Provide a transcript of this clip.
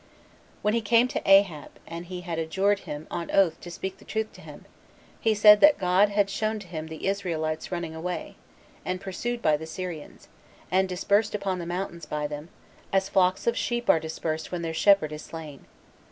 When he came to Ahab, and he had adjured him upon oath to speak the truth to him, he said that God had shown to him the Israelites running away, and pursued by the Syrians, and dispersed upon the mountains by them, as flocks of sheep are dispersed when their shepherd is slain.